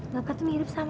bapak tuh mirip sama